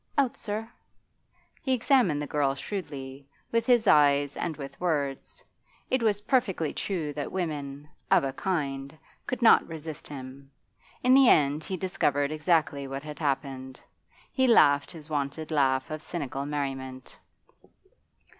'Out, sir.' He examined the girl shrewdly, with his eyes and with words. It was perfectly true that women of a kind could not resist him. In the end he discovered exactly what had happened. He laughed his wonted laugh of cynical merriment.